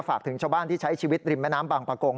ฝากถึงชาวบ้านที่ใช้ชีวิตริมแม่น้ำบางประกง